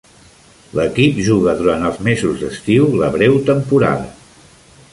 L'equip juga durant els mesos d'estiu la breu temporada.